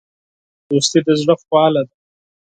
دوستي د زړه خواله ده.